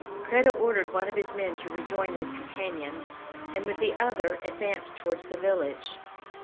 Kreta ordered one of his men to rejoin his companions, and with the other advanced towards the village.